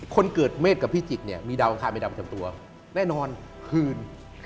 คนเกิดเมฆกับพี่จิกเนี่ยมีดาวอังคารมีดาวประจำตัวแน่นอนคืน